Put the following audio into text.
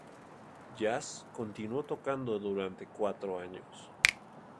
Jazz continuó tocando durante cuatro años.